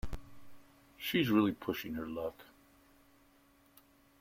She's really pushing her luck!